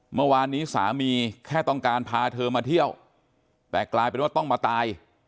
เมื่อวานนี้สามีแค่ต้องการพาเธอมาเที่ยวแต่กลายเป็นว่าต้องมาตาย